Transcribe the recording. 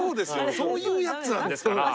そういうやつなんですから。